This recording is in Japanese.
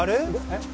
えっ？